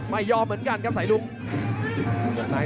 ไม่ยอมเหมือนกันครับสายลุง